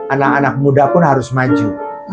anak anak muda pun harus maju